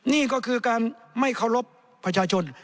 นี่ก็คือการไม่เคารพประชาชน